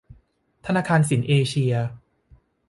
ธนาคารสินเอเซีย